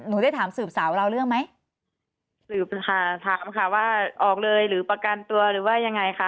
ได้ถามสืบสาวเราเรื่องไหมสืบค่ะถามค่ะว่าออกเลยหรือประกันตัวหรือว่ายังไงคะ